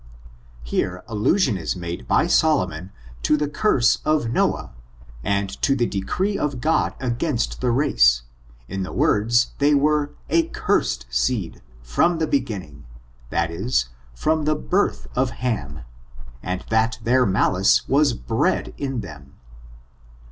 Here, allusion is made by Solomon to the curse of Noah, and to the decree of God against the race, in the words they were a ^^ cursed seed " from the be ginning, that is from the birth of Ham, and that their malice was bred in them.